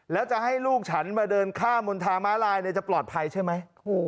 แล้วจะให้ลูกฉันมาเดินข้ามบนทางม้าลายจะปลอดภัยใช่ไหม